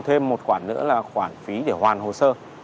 thêm một khoản nữa là khoản phí để hoàn hồ sơ